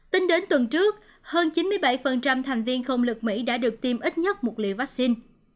tính đến tuần trước hơn chín mươi bảy thành viên không lực mỹ đã được tiêm ít nhất một liều vaccine